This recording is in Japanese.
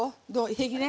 平気ね。